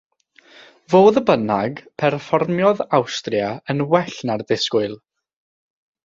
Fodd bynnag, perfformiodd Awstria yn well na'r disgwyl.